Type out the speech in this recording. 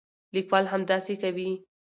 لیکوال همداسې کوي.